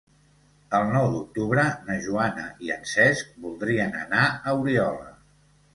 El nou d'octubre na Joana i en Cesc voldrien anar a Oriola.